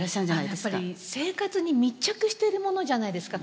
やっぱり生活に密着してるものじゃないですか